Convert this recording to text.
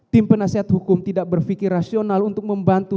tim penasehat hukum tidak berpikir rasional untuk membantu